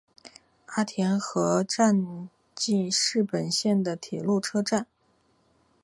阿田和站纪势本线的铁路车站。